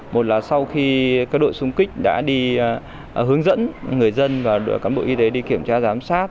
một là sau khi các đội súng kích đã đi hướng dẫn người dân và đội cán bộ y tế đi kiểm tra giám sát